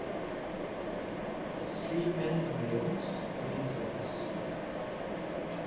A street band of males playing drums.